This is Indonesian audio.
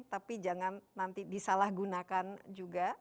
tapi jangan nanti disalah gunakan juga